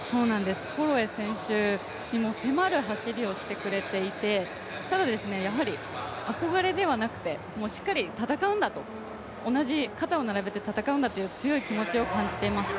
ホロウェイ選手にも迫る走りをしてくれていて、ただやはり憧れではなくてしっかり戦うんだと肩を並べて戦うんだという強い気持ちを感じています。